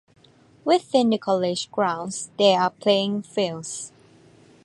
Within the College grounds, there are playing fields.